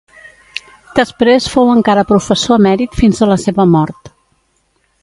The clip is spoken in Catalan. Després fou encara professor emèrit fins a la seva mort.